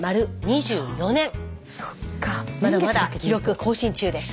まだまだ記録更新中です。